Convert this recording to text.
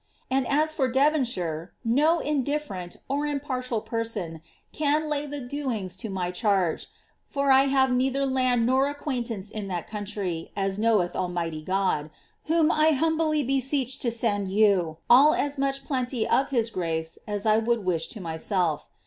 And as for Devoushire, no mdifftrtrnt (impartial) person can lay the doings to my charge; for 1 have neither land nor acquaintance in that country, as knoweth Almighty God; whom I humbly beseech to send you all as much plenty of his grace as 1 would wish to my^elf.